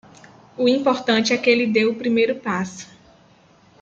O importante é que ele deu o primeiro passo